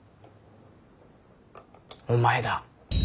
お前だ。